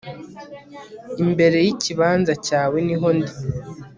imbere yikibanza cyawe niho ndi